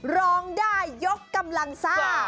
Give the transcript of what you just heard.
ร้องได้ยกกำลังซ่า